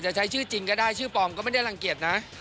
จะใช้ชื่อจริงก็ได้ชื่อปลอมก็ไม่ได้รังเกียจนะ